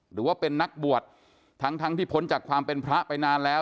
หรือว่าเป็นนักบวชทั้งทั้งที่พ้นจากความเป็นพระไปนานแล้ว